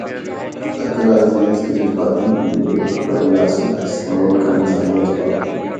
اقرا عزیز کے جذباتی نوٹ پر یاسر حسین کا مزاحیہ جواب